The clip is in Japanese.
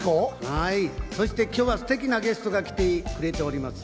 そして今日はすてきなゲストが来てくれております。